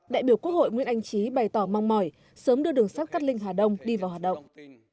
đại biểu quốc hội nguyễn anh trí bày tỏ mong mỏi sớm đưa đường sát cắt linh hà đông đi vào hoạt động